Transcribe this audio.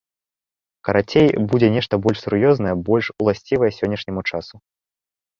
Карацей, будзе нешта больш сур'ёзнае, больш уласцівае сённяшняму часу.